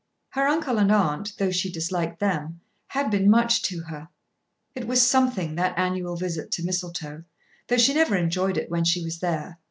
Her uncle and aunt, though she disliked them, had been much to her. It was something, that annual visit to Mistletoe, though she never enjoyed it when she was there.